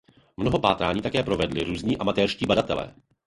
Mnoho pátrání provedli také různí amatérští badatelé.